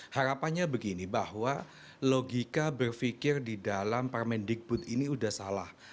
harapannya begini bahwa logika berfikir di dalam parmen dikbut ini sudah salah